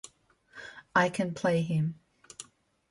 I can play him.